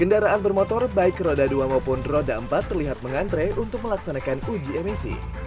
kendaraan bermotor baik roda dua maupun roda empat terlihat mengantre untuk melaksanakan uji emisi